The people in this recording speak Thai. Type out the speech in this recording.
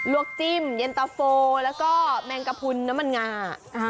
วกจิ้มเย็นตะโฟแล้วก็แมงกระพุนน้ำมันงา